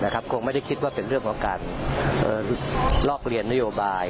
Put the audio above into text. คงไม่ได้คิดว่าเป็นเรื่องของการลอกเรียนนโยบาย